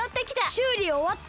しゅうりおわった？